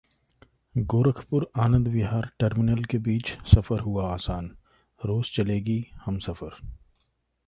गोरखपुर-आनंद विहार terminal के बीच सफर हुआ आसान, रोज चलेगी 'हमसफर'